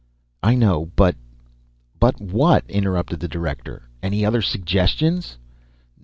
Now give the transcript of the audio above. "I know, but " "But what?" interrupted the Director. "Any other suggestions?"